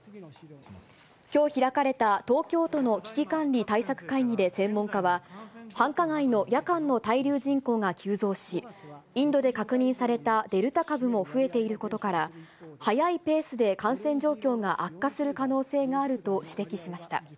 きょう開かれた東京都の危機管理対策会議で専門家は、繁華街の夜間の滞留人口が急増し、インドで確認されたデルタ株も増えていることから、早いペースで感染状況が悪化する可能性があると指摘しました。